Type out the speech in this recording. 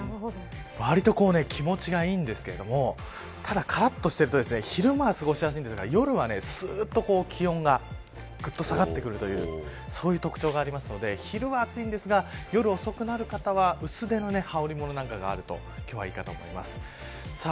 わりと気持ちがいいんですけれどもただ、からっとしていと昼間は過ごしやすいですが夜は気温がぐっと下がってくるというそういう特徴があるので昼は暑いんですが夜遅くなる方は薄手の羽織物なんかがあると今日は、いいと思います。